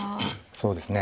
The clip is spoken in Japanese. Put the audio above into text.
そうですね。